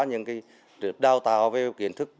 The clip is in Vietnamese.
những cái đào tạo về kiến thức